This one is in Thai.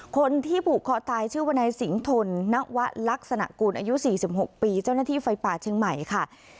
คนที่ผูกคอตายชื่อวนายสิงทนนวะลักษณะกูลอายุ๔๖ปีเจ้าหน้าที่ไฟป่าเชียงใหม่ค่ะ